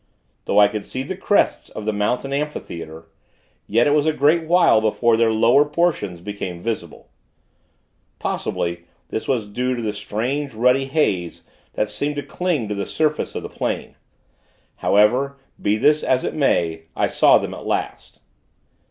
Though I could see the crests of the mountain amphitheatre, yet it was a great while before their lower portions became visible. Possibly, this was due to the strange, ruddy haze, that seemed to cling to the surface of the Plain. However, be this as it may, I saw them at last.